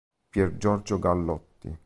Pier Giorgio Gallotti